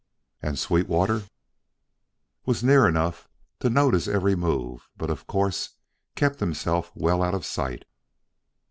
"And Sweetwater?" "Was near enough to note his every move, but of course kept himself well out of sight."